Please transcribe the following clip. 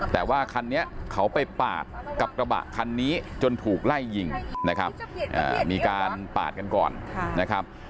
แต่ว่าคันนี้เขาไปปาดกับกระบะคันนี้จนถูกไล่ยิงนะครับมีการปาดกันก่อนนะครับ